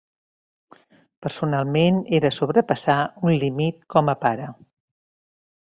Personalment, era sobrepassar un límit com a pare.